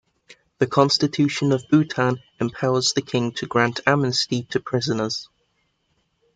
The Constitution of Bhutan empowers the King to grant amnesty to prisoners.